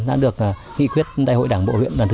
đã được hị quyết đại hội đảng bộ huyện lần thứ hai mươi một